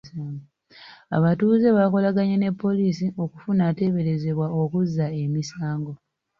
Abatuuze baakolaganye ne poliisi okufuna ateberezebbwa okuzza emisango.